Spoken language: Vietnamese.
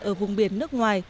ở vùng biển nước ngoài